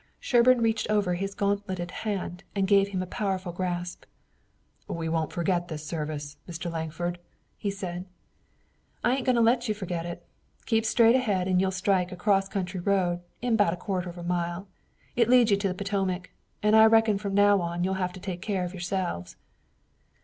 Sherburne reached over his gauntleted hand and gave him a powerful grasp. "We won't forget this service, Mr. Lankford," he said. "I ain't goin' to let you forget it. Keep straight ahead an' you'll strike a cross country road in 'bout a quarter of a mile. It leads you to the Potomac, an' I reckon from now on you'll have to take care of yourselves."